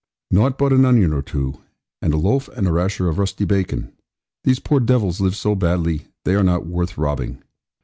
'Naught but an onion or two, and a loaf and a rasher of rusty bacon. These poor devils live so badly, they are not worth robbing.'